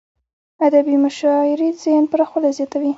ادبي مشاعريد ذهن پراخوالی زیاتوي.